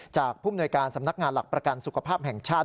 ผู้มนวยการสำนักงานหลักประกันสุขภาพแห่งชาติ